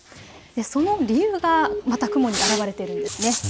その理由がまた雲に表れているんですね。